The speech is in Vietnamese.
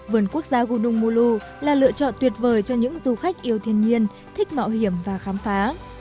vườn quốc gia gunung mulu là lựa chọn tuyệt vời cho những du khách yêu thiên nhiên thích mặt ở đây